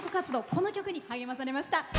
この曲に励まされました。